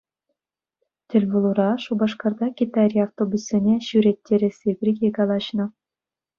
Тӗлпулура Шупашкарта Китайри автобуссене ҫӳреттересси пирки калаҫнӑ.